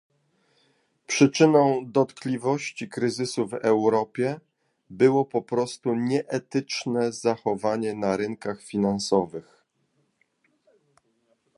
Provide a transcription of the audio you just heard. Przyczyną dotkliwości kryzysu w Europie było po prostu nieetyczne zachowanie na rynkach finansowych